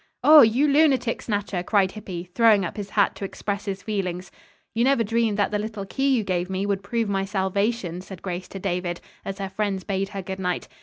"Oh, you lunatic snatcher," cried Hippy, throwing up his hat to express his feelings. "You never dreamed that the little key you gave me would prove my salvation," said Grace to David, as her friends bade her good night.